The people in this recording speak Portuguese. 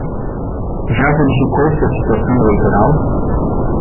Já verificou sua situação eleitoral?